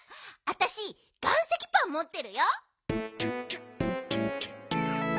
あたし岩石パンもってるよ。